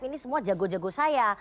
ini semua jago jago saya